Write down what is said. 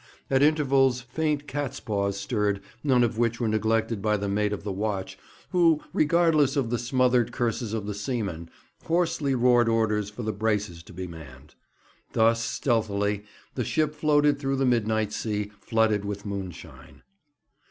At intervals faint catspaws stirred, none of which were neglected by the mate of the watch, who, regardless of the smothered curses of the seamen, hoarsely roared orders for the braces to be manned. Thus, stealthily, the ship floated through the midnight sea, flooded with moonshine.